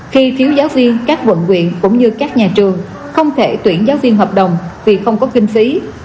khi phiếu giáo viên các quận quyện cũng như các nhà trường không thể tuyển giáo viên hợp đồng vì không có kinh phí